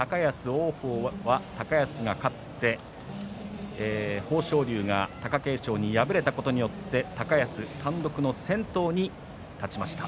王鵬は高安が勝って豊昇龍が貴景勝に敗れたことによって高安単独の先頭に立ちました